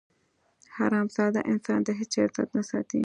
حرامزاده انسان د هېچا عزت نه ساتي.